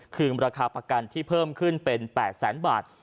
คือราคาประกันที่เพิ่มขึ้นเป็น๘๐๐๐๐๐บาท